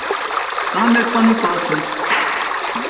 Sranʼm be sɔnnin klɔʼn su.